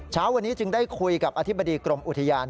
เช้าวันนี้จึงได้คุยกับอธิบดีกรมอุทยาน